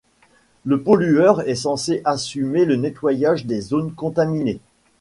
Le pollueur est censé assumer le nettoyage des zones contaminées.